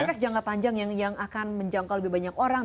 efek jangka panjang yang akan menjangkau lebih banyak orang